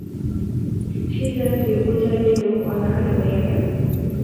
সেই রাত্রে ঐ চারিটি লোক অনাহারে মরিয়া গেল।